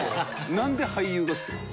なんで俳優が好きなの？